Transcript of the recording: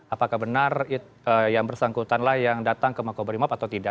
apakah benar yang bersangkutanlah yang datang ke makobrimob atau tidak